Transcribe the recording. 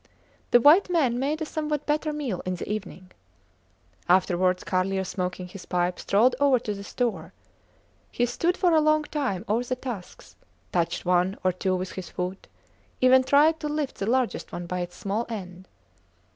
The white men made a somewhat better meal in the evening. Afterwards, Carlier smoking his pipe strolled over to the store; he stood for a long time over the tusks, touched one or two with his foot, even tried to lift the largest one by its small end.